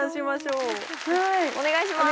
お願いします。